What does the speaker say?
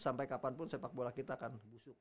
sampai kapanpun sepak bola kita akan busuk